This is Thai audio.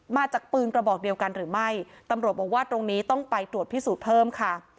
มาจากปืนกระบอกเดียวกันหรือไม่ตำรวจบอกว่าตรงนี้ต้องไปตรวจพิสูจน์เพิ่มค่ะ